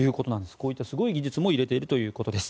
こういったすごい技術も入れているということです。